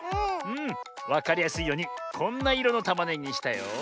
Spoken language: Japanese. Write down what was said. わかりやすいようにこんないろのたまねぎにしたよ。